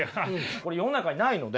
これ世の中にないので。